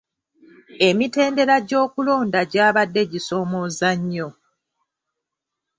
Emitendera gy'okulonda gy'abadde gisoomooza nnyo.